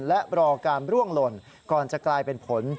และรอการร่วงหล่นก่อนจะกลายเป็นผล